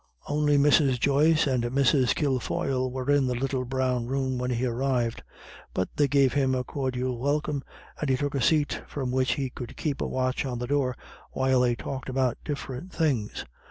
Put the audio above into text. Only Mrs. Joyce and Mrs. Kilfoyle were in the little brown room when he arrived, but they gave him a cordial welcome, and he took a seat from which he could keep a watch on the door while they talked about different things.